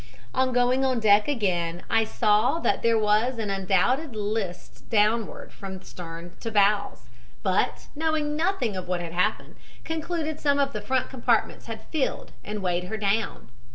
"On going on deck again I saw that there was an undoubted list downward from stern to bows, but, knowing nothing of what had happened, concluded some of the front compartments had filled and weighed her down.